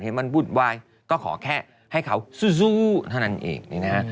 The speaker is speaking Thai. เห็นมันพูดไว้ก็ขอแค่ให้เขาซูซูเท่านั้นเองนะฮะ